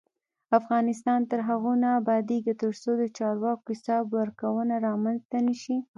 افغانستان تر هغو نه ابادیږي، ترڅو د چارواکو حساب ورکونه رامنځته نشي.